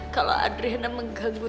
kalo adriana mengganggu tante